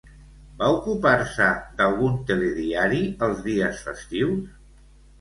Va ocupar-se d'algun telediari els dies festius?